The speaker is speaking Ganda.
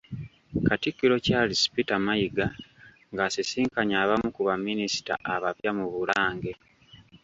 Katikkiro Charles Peter Mayiga ng'asisinkanye abamu ku baminisita abapya mu Bulange.